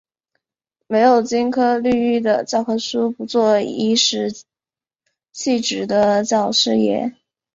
没有金科绿玉的教科书，不做颐使气指的教师爷